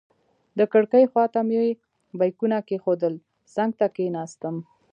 د کړکۍ خواته مې بیکونه کېښودل، څنګ ته کېناستم.